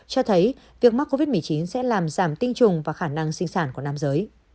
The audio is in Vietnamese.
cho thấy việc mắc covid một mươi chín sẽ làm giảm tinh trùng và khả năng sinh sản của nam giới